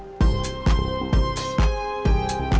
ambil tangan hati berdua